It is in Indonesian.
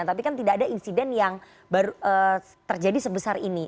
tapi kan tidak ada insiden yang terjadi sebesar ini